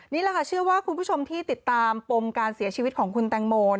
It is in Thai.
นี่แหละค่ะเชื่อว่าคุณผู้ชมที่ติดตามปมการเสียชีวิตของคุณแตงโม